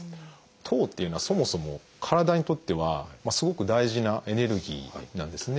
糖っていうのはそもそも体にとってはすごく大事なエネルギーなんですね。